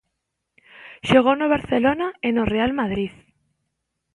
Xogou no Barcelona e no Real Madrid.